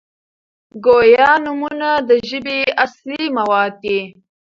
ګویا نومونه د ژبي اصلي مواد دي.